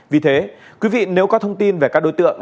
vì thế quý vị nếu có thông tin về các đối tượng